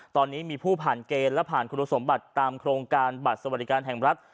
ตอนนี้มีผู้ผ่านเกณฑ์และผ่านคุณสมบัติตามโครงการบัตรสวัสดิการแห่งรัฐ